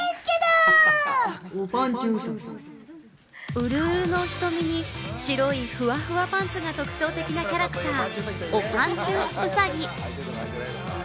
ウルウルの瞳に白いふわふわパンツが特徴的なキャラクター・おぱんちゅうさぎ。